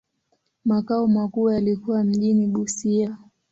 Makao makuu yalikuwa mjini Busia.